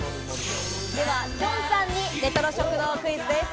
では、きょんさんにレトロ食堂クイズです。